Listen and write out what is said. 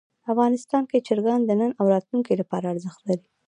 افغانستان کې چرګان د نن او راتلونکي لپاره ارزښت لري.